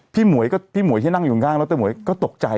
พี่หมวยที่นั่งอยู่ข้างแล้วเต้นหมวยก็ตกใจ